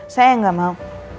saya enggak mau